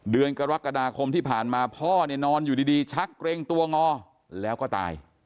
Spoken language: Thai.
เดือนกรกฎาคมที่ผ่านมาพ่อเนี่ยนอนอยู่ดีชักเกรงตัวงอแล้วก็ตาย